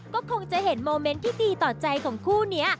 ก็คงจะเห็นโมเมนต์ที่ดีต่อใจของคู่นี้